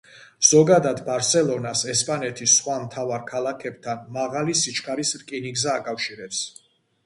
ზოგადად, ბარსელონას ესპანეთის სხვა მთავარ ქალაქებთან მაღალი სიჩქარის რკინიგზა აკავშირებს.